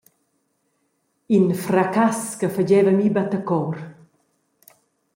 In fraccass che fageva a mi battacor.